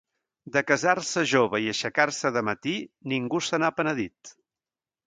De casar-se jove i aixecar-se de matí, ningú se n'ha penedit.